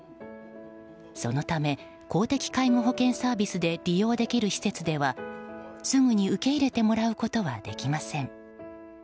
そのため公的介護保険サービスで利用できる施設ではすぐに受け入れてもらうことはできません。